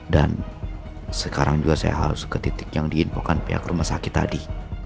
dan sekarang juga saya harus ke titik yang diinfo kan pihak rumah sakit tadi